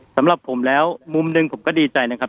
สำหรับผมแล้วมุมหนึ่งผมก็ดีใจนะครับ